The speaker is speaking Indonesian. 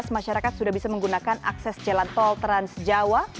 masyarakat sudah bisa menggunakan akses jalan tol transjawa